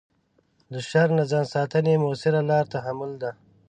له شر نه ځان ساتنې مؤثره لاره تحمل ده.